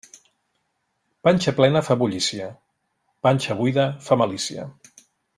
Panxa plena fa bullícia; panxa buida fa malícia.